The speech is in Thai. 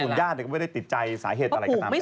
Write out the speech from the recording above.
ศูนย์ย่านลดูไม่ได้ติดใจสาเหตุอะไรก็ตามเนี่ย